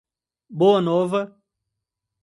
Boa Nova